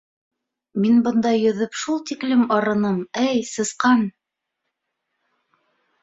Мин бында йөҙөп шул тиклем арыным, әй Сысҡан!